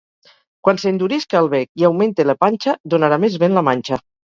Quan s'endurisca el bec i augmente la panxa, donarà més vent la manxa.